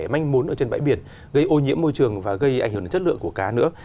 manh muốn ở trên bãi biển gây ô nhiễm môi trường và gây ảnh hưởng đến chất lượng của cá nữa